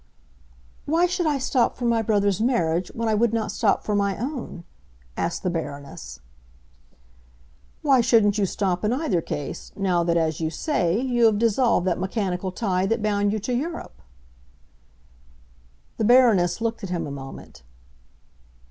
"Why should I stop for my brother's marriage when I would not stop for my own?" asked the Baroness. "Why shouldn't you stop in either case, now that, as you say, you have dissolved that mechanical tie that bound you to Europe?" The Baroness looked at him a moment.